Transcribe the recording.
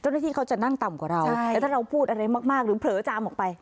เจ้าหน้าที่เขาจะนั่งต่ำกว่าเราแต่ถ้าเราพูดอะไรมากหรือเผลอจามออกไป